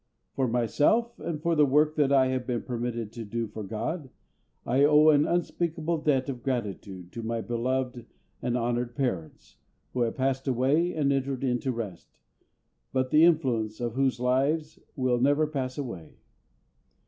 For myself, and for the work that I have been permitted to do for GOD, I owe an unspeakable debt of gratitude to my beloved and honoured parents, who have passed away and entered into rest, but the influence of whose lives will never pass away.